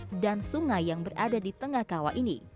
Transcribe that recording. tapi juga bisa menjaga keuntungan sungai yang berada di tengah kawah ini